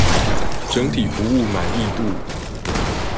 整體服務滿意度